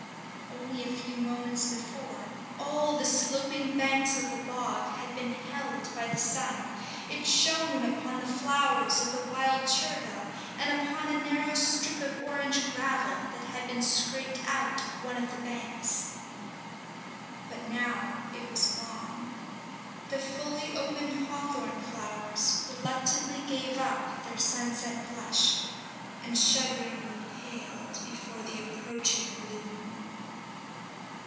Only a few moments before, all the sloping banks of the bog had been held by the sun; it shone upon the flowers of the wild chervil and upon a narrow strip of orange gravel that had been scraped out of one of the banks. But now it was gone. The fully opened hawthorn flowers reluctantly gave up their sunset blush, and shudderingly paled before the approaching gloom.